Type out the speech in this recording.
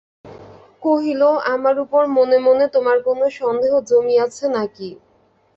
কহিল, আমার উপর মনে মনে তোমার কোনো সন্দেহ জন্মিয়াছে নাকি।